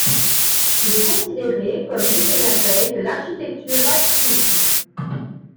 Il est considéré comme l'une des merveilles de l'architecture radjpoute.